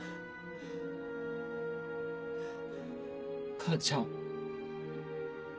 母ちゃん。